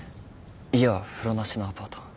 家は風呂なしのアパート。